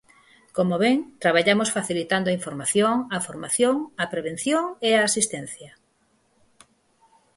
Como ven, traballamos facilitando a información, a formación, a prevención e a asistencia.